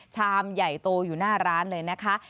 ชามใหญ่โตอยู่หน้าร้านเลยนะคะ